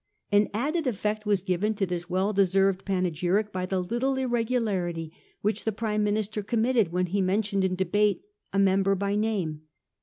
An added effect was given to this well deserved panegyric by the little irregularity which the Prime Minister committed when he men tioned in debate a member by name.